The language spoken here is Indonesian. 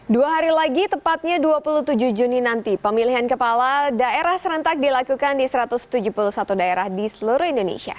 dua hari lagi tepatnya dua puluh tujuh juni nanti pemilihan kepala daerah serentak dilakukan di satu ratus tujuh puluh satu daerah di seluruh indonesia